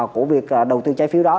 của việc đầu tư trái phiếu đó